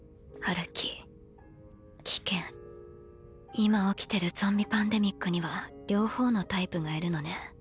今起きてるゾンビパンデミックには両方のタイプがいるのね。